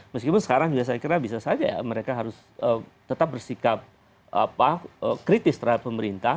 meskipun sekarang juga saya kira bisa saja ya mereka harus tetap bersikap kritis terhadap pemerintah